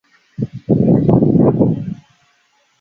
翌季史托迪尔没有获一队选派上阵。